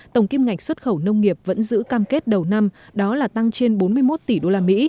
tổng kim ngạch xuất khẩu nông nghiệp vẫn giữ cam kết đầu năm đó là tăng trên bốn mươi một tỷ usd